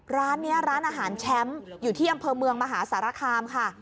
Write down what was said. ร้านนี้ร้านอาหารแชมป์อยู่ที่อำเภอเมืองมหาสารคามค่ะ